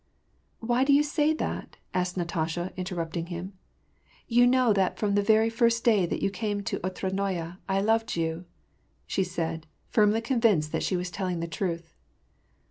"Why do you say that ?" asked Natasha, interrupting him. " You know that from that very first day that you came to Otradnoye, I loved you/' said she, firmly convinced that she was telling the truth.